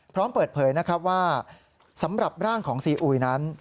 พร้อมเปิดเผยนะครับว่าสำหรับร่างของซีอุยนั้น